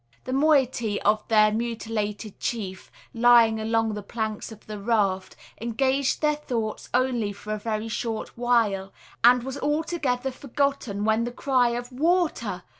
The moiety of their mutilated chief, lying along the planks of the raft, engaged their thoughts only for a very short while; and was altogether forgotten, when the cry of "Water!"